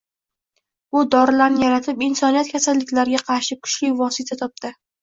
Bu dorilarni yaratib insoniyat kasalliklarga qarshi kuchli vosita topdi